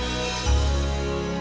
telur dimakan pula